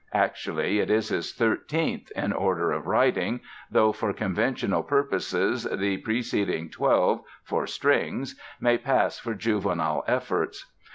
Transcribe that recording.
Actually, it is his thirteenth in order of writing, though for conventional purposes the preceding twelve (for strings) may pass for juvenile efforts.